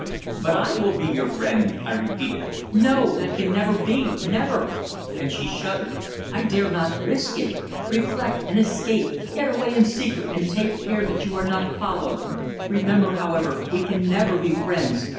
"But I will be your friend!" I repeated. "No. That can never be never!" and she shuddered. "I dare not risk it. Reflect and escape get away in secret, and take care that you are not followed. Remember, however, we can never be friends.